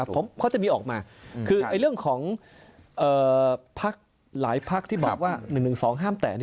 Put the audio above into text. ผมเขาจะมีออกมาคือเรื่องของพักหลายพักที่บอกว่า๑๑๒ห้ามแตะ